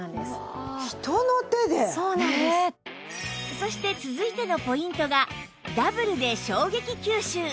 そして続いてのポイントがダブルで衝撃吸収